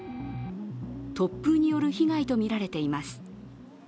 突風による被害とみられています。